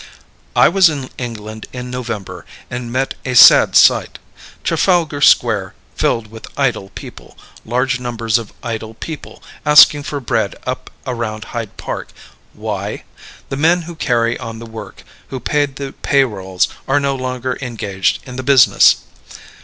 I was in England in November, and met a sad sight Trafalgar Square filled with idle people, large numbers of idle people asking for bread up around Hyde Park. Why? The men who carry on the work, who paid the pay rolls, are no longer engaged in the business.